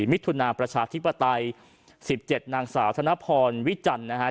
มิถุนาประชาธิปไตย๑๗นางสาวธนพรวิจันทร์นะฮะ